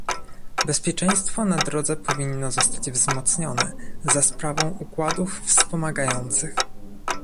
Bezpieczeństwo na drodze powinno zostać wzmocnione za sprawą układów wspomagających